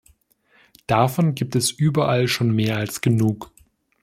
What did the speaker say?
Davon gibt es überall schon mehr als genug.